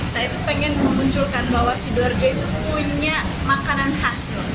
saya tuh pengen memunculkan bahwa sibuar jocola punya makanan khas